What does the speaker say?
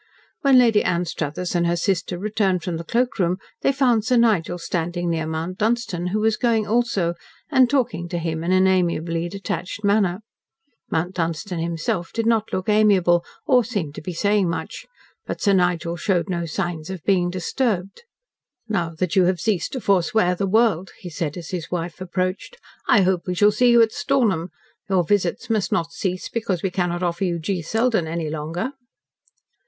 When Lady Anstruthers and her sister returned from the cloak room, they found Sir Nigel standing near Mount Dunstan, who was going also, and talking to him in an amiably detached manner. Mount Dunstan, himself, did not look amiable, or seem to be saying much, but Sir Nigel showed no signs of being disturbed. "Now that you have ceased to forswear the world," he said as his wife approached, "I hope we shall see you at Stornham. Your visits must not cease because we cannot offer you G. Selden any longer."